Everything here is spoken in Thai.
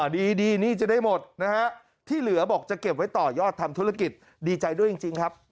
ดีหนี้จะได้หมดนะฮะที่เหลือบอกจะเก็บไว้ต่อยอดทำธุรกิจดีใจด้วยจริงครับ